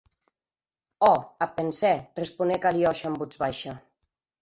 Òc, ac pensè, responec Aliosha en votz baisha.